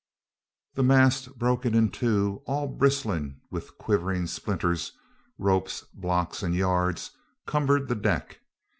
The mast, broken in two, all bristling with quivering splinters, ropes, blocks, and yards, cumbered the deck.